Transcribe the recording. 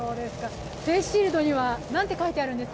フェイスシールドには何と書いてあるんですか？